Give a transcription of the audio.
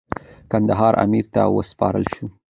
کندهار امیر ته وسپارل سو.